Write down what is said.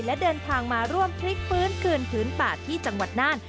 และเดินทางมาร่วมพลิกฟื้นคืนพื้นป่าที่จังหวัดน่าน